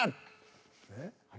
えっ？